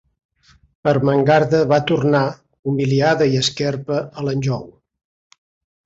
Ermengarda va tornar, humiliada i esquerpa, a l'Anjou.